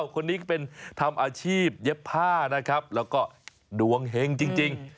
คนนี้ก็เป็นทำอาชีพเย็บผ้านะครับแล้วก็ดวงเห็งจริง